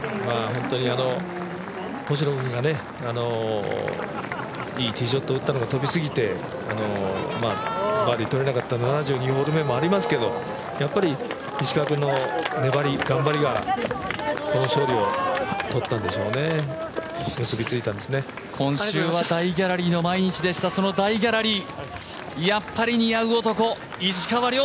本当に星野君がね、いいティーショットを打ったのが飛びすぎてバーディーとれなかった７２ホール目もありますけど、やっぱり石川君の粘り頑張りがこの勝利をとったんでしょうね、今週は大ギャラリーの毎日でしたその大ギャラリー、やっぱり似合う男、石川遼。